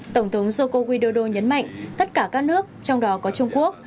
tổng thống joko widodo nhấn mạnh tất cả các nước trong đó có trung quốc